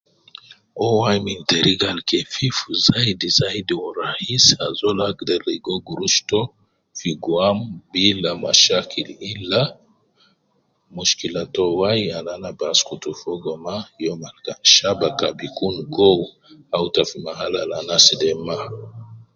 Uwo wai min teriga al kefif zaidi zaidi Wu rakhis azol agder ligo gurush to fi gwam bila mashakil illa mushkila to wai Al ana bi askutu mo maa, youm Al shabaka kan bi Kun how au ita fi mahal Al anas de maa.